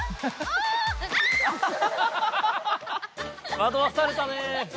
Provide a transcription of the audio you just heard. まどわされたね。